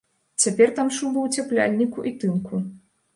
Цяпер там шуба ўцяпляльніку і тынку.